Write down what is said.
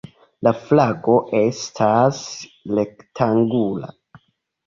La flago estas rektangula.